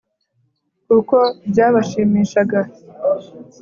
kuko byabashimishaga